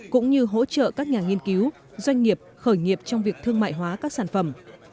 cũng như hỗ trợ các nhà nghiên cứu doanh nghiệp khởi nghiệp trong việc thương mại hóa các sản phẩm